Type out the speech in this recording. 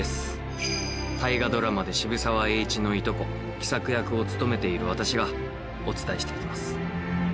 大河ドラマで渋沢栄一のいとこ喜作役を務めている私がお伝えしていきます。